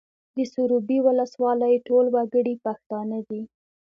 د سروبي ولسوالۍ ټول وګړي پښتانه دي